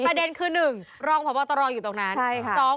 ประเด็นคือ๑รองพบตรอยู่ตรงนั้น